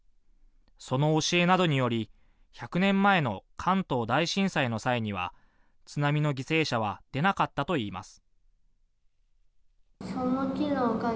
その教えなどにより１００年前の関東大震災の際には津波の犠牲者は出なかったといいます。